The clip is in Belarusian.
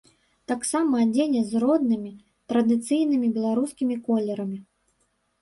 Таксама адзенне з роднымі, традыцыйнымі беларускімі колерамі.